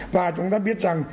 và chúng ta biết rằng